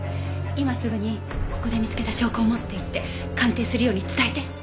今すぐにここで見つけた証拠を持っていって鑑定するように伝えて。